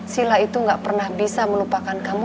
sila itu gak pernah bisa melupakan kamu